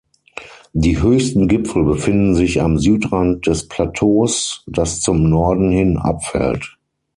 Die höchsten Gipfel befinden sich am Südrand des Plateaus, das zum Norden hin abfällt.